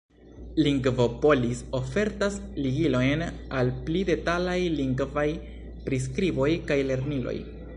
Lingvopolis ofertas ligilojn al pli detalaj lingvaj priskriboj kaj lerniloj.